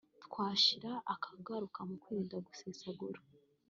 twashira akagaruka mu kwirinda gusesagura